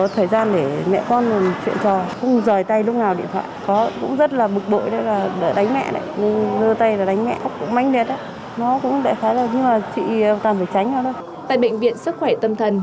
tại bệnh viện sức khỏe tâm thần